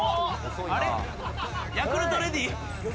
ヤクルトレディ？